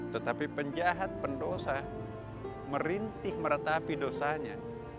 tetapi penjahat pendosa merintih meratapi dosanya